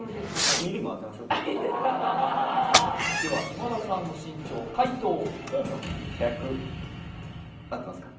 では今田さんの身長解答オープン１００合ってますか？